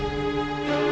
aku mau ke sana